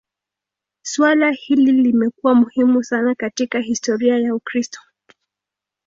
Suala hili limekuwa muhimu sana katika historia ya Ukristo.